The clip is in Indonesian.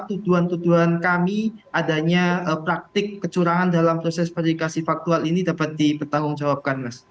tuduhan tuduhan kami adanya praktik kecurangan dalam proses verifikasi faktual ini dapat dipertanggungjawabkan mas